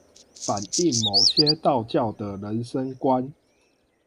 反映某些道教的人生觀